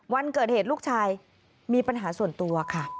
วันเกิดเหตุลูกชายมีปัญหาส่วนตัวค่ะ